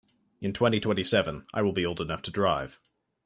In twenty-twenty-seven I will old enough to drive.